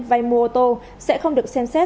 vay mua ô tô sẽ không được xem xét